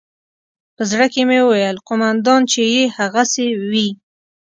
په زړه کښې مې وويل قومندان چې يې هغسې وي.